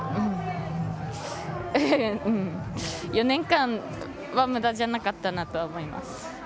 ４年間はむだじゃなかったなと思います。